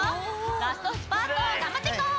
ラストスパートがんばっていこう！